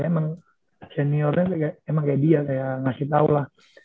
emang seniornya emang kayak dia kayak ngasih tau lah